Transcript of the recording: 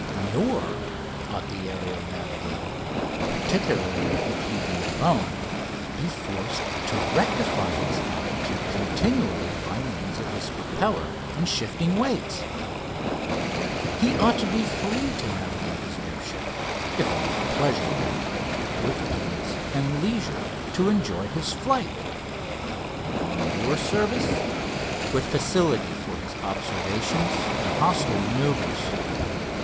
Nor ought the aerial navigator, particularly if he be alone, be forced to rectify his altitude continually by means of his propeller and shifting weights. He ought to be free to navigate his air ship; if on pleasure bent, with ease and leisure to enjoy his flight; if on war service, with facility for his observations and hostile manoeuvres.